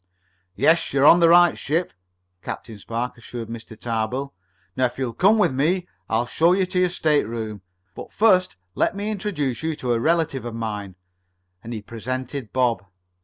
"Yes, you're on the right ship," Captain Spark assured Mr. Tarbill. "Now if you'll come with me I'll show you to your stateroom. But first let me introduce to you a relative of mine," and he presented Bob.